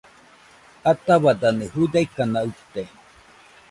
Ataua danɨ judaɨkana uite